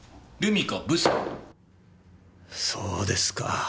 そうですか。